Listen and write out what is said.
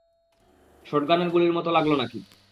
শটগানের গুলির মতো লাগলো নাকি!